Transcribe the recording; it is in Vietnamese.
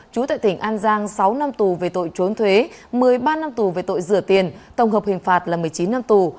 chú tại tỉnh an giang sáu năm tù về tội trốn thuế một mươi ba năm tù về tội rửa tiền tổng hợp hình phạt là một mươi chín năm tù